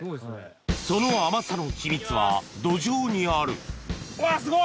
その甘さの秘密は土壌にあるわっすごい！